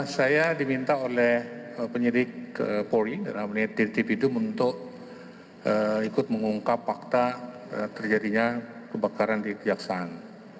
saya diminta oleh penyelidik poli dan aminit tirtipidum untuk ikut mengungkap fakta terjadinya kebakaran di jaksaan